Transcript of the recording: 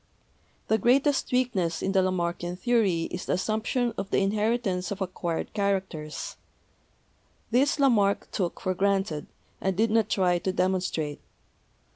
The greatest weakness in the Lamarckian theory is the assumption of the inheritance of acquired characters; this Lamarck took for granted, and did not try to demon strate.